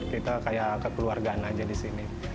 kita kayak kekeluargaan aja di sini